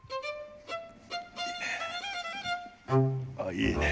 いいね。